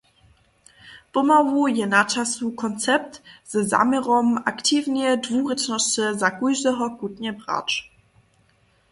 Pomału je načasu, koncept ze zaměrom aktiwneje dwurěčnosće za kóždeho chutnje brać.